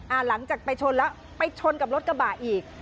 หลังจากไปชนแล้วไปชนกับรถกระบะอีก